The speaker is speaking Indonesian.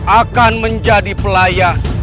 akan menjadi pelayan